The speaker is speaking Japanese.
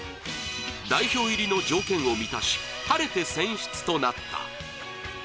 代表入りの条件を満たし、晴れて選出となった。